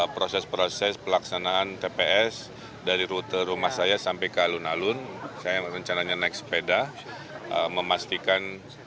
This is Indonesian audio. proses proses pelaksanaan tps dari rute rumah saya sampai ke alun alun saya rencananya naik sepeda memastikan